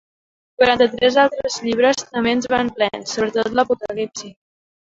Quaranta-tres altres llibres també en van plens, sobretot l'Apocalipsi.